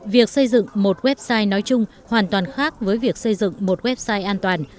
việc xây dựng một website nói chung hoàn toàn khác với việc xây dựng một website an toàn